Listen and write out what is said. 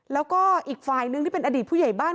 แล้วก็อีกฝ่ายนึงที่เป็นอดีตผู้ใหญ่บ้าน